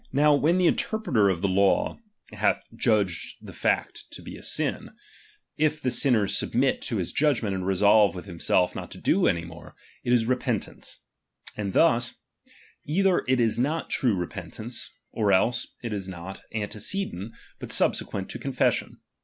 Now when the interpreter of the law ^B hath judged the fact to be a sin, if the sinner sub ^M mit to his judgment and resolve with himself not ^H to do so any more, it is repentance ; and thus, ^H either it is not true repentance, or else it is not ^M antecedent, but subsequent to confession.